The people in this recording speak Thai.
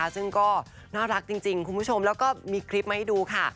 ซึ่งก็น่ารักจริงคุณผู้ชมแล้วก็มีคลิปมาให้ดูค่ะ